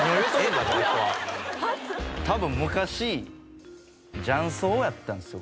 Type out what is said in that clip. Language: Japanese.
多分昔雀荘やったんですよ